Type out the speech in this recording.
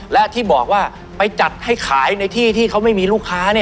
และที่บอกว่าไปจัดให้ขายในที่ที่เขาไม่มีลูกค้า